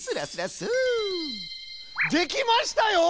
できましたよ！